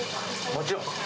もちろん！